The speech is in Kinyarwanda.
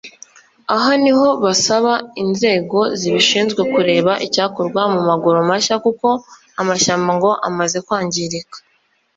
Aha niho basaba inzego zibishinzwe kureba icyakorwa mu maguru mashya kuko amashyamba ngo amaze kwangirika